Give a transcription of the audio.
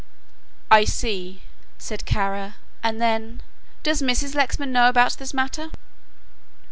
"I see," said Kara, and then, "does Mrs. Lexman know about this matter?"